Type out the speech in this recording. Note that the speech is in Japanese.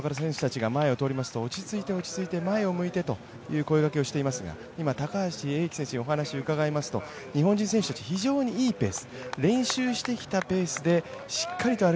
先ほどから選手たちが前を通りますと、落ち着いて、落ち着いて前を向いてと声がけをしていますが今高橋英輝選手にお話を伺いますと、日本選手、一番はやいペースで進んでいる、日本人選手たち